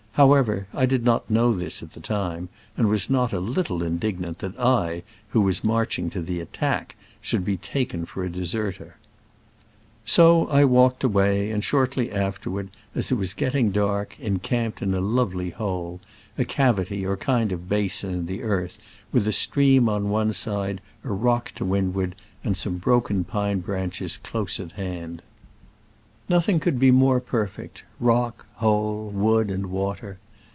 However, I did not know this at the time, and was not a little indignant that I, who was marching to the attack, should be taken for a deserter. So I walked away, and shortly after ward, as it was getting dark, encamped in a lovely hole — a cavity or kind of basin in the earth, with a stream on one side, a rock to windward and some broken pine branches close at hand. Digitized by Google 28 SCRAMBLES AMONGST THE ALPS IN i86o^'69. Nothing could be more perfect — rock, hole, wood and water.